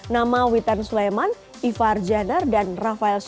nama witan suleman ifar jener dan rafael rizky